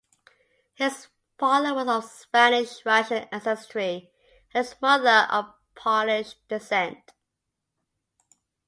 His father was of Spanish-Russian ancestry and his mother of Polish descent.